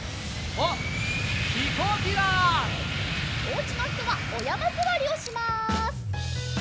おうちのひとはおやまずわりをします。